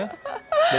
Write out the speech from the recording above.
harusnya sih sudah ya